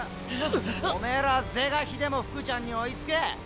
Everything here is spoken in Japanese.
おめえら是が非でも福ちゃんに追いつけ。